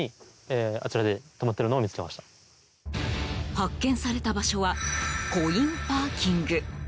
発見された場所はコインパーキング。